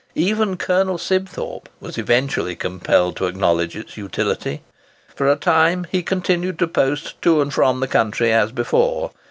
Even Colonel Sibthorpe was eventually compelled to acknowledge its utility. For a time he continued to post to and from the country as before.